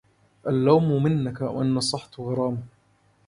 اللوم منك وإن نصحت غرام